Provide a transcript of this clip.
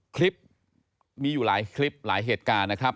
คลิปมีอยู่หลายคลิปหลายเหตุการณ์นะครับ